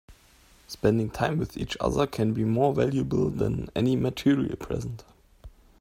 Spending time with each other can be more valuable than any material present.